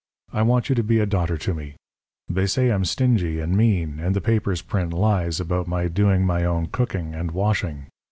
I want you to be a daughter to me. They say I'm stingy and mean, and the papers print lies about my doing my own cooking and washing.